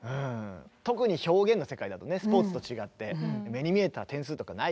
特に表現の世界だとねスポーツと違って目に見えた点数とかないから。